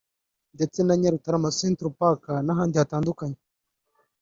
ndetse na Nyarutarama Century Park n’ahandi hatandukanye